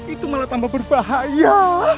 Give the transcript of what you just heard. itu malah tambah berbahaya